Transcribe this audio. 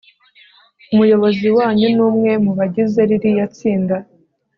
umuyobozi wanyu ni umwe mubagize ririya tsinda